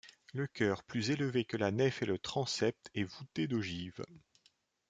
Le chœur, plus élevé que la nef et le transept, est voûté d'ogives.